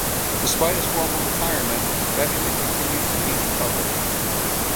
Despite his formal retirement, Bevington continues to teach and publish.